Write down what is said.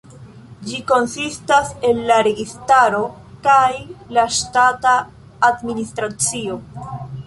Ĝi konsistas el la registaro kaj la ŝtata administracio.